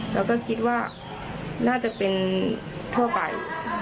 แล้วก็คิดว่าน่าจะเป็นทั่วไป